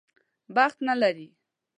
بخت نه لري.